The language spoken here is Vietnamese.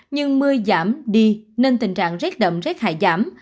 nhưng mưa giảm đi nên tình trạng rết đậm rác hại giảm